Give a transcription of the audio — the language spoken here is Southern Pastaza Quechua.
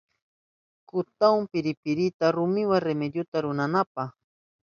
Kutahun piripirita rumiwa rimilluta rurananpa.